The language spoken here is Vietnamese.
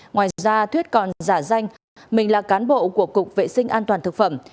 ngoài ra thuyết còn giả danh mình là cán bộ của cục vệ sinh an toàn thực phẩm